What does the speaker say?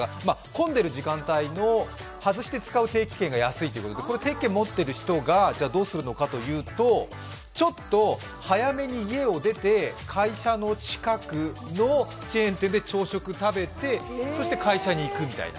混んでる時間帯を外して使う定期券が安いということで定期券持っている人がどうするのかというと、ちょっと早めに家を出て、会社の近くのチェーン店で朝食を食べて、そして会社に行くみたいな。